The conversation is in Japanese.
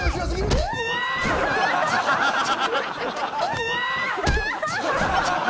うわ！